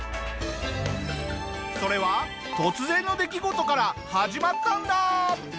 それは突然の出来事から始まったんだ！